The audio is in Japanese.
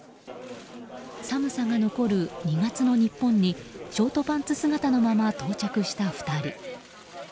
寒さが残る２月の日本にショートパンツ姿のまま到着した２人。